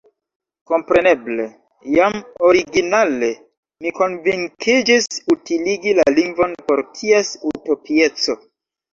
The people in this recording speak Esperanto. Kompreneble, jam originale mi konvinkiĝis utiligi la lingvon pro ties utopieco.